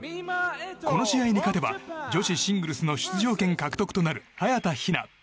この試合に勝てば女子シングルスの出場権獲得となる早田ひな。